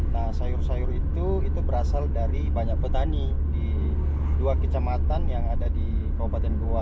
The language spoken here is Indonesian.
nah sayur sayur itu itu berasal dari banyak petani di dua kecamatan yang ada di kabupaten goa